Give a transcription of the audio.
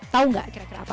tahu nggak kira kira apa